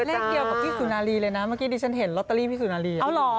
เลขเดียวกับพี่สุนารีเลยนะเมื่อกี้ดิฉันเห็นลอตเตอรี่พี่สุนารี